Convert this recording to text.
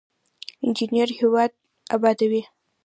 انجینر هیواد ابادوي